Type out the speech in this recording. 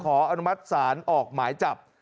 อนุมัติศาลออกหมายจับ